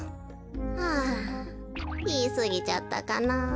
はぁいいすぎちゃったかな。